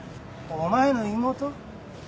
お前の妹？